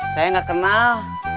saya gak kenal